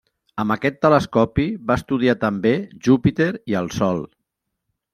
Amb aquest telescopi va estudiar també Júpiter i el Sol.